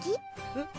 えっ？